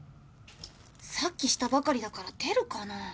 さっきしたばかりだから出るかなあ？